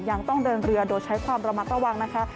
ยังต้องเดินเรือโดยใช้ความระมัดระวังนะคะ